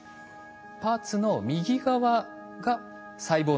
パーツの右側が細胞の掃除屋